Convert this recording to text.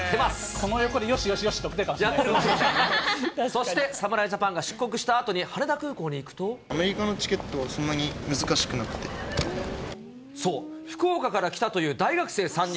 この横でよしよしよしとやっそして侍ジャパンが出国したアメリカのチケットは、そう、福岡から来たという大学生３人。